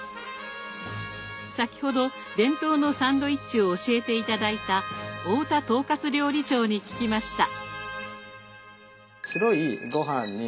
先ほど伝統のサンドイッチを教えて頂いた太田統括料理長に聞きました。